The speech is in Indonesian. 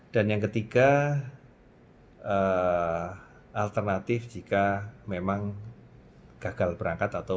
dan yang ketiga alternatif jika memang gagal berangkat atau dibatalkan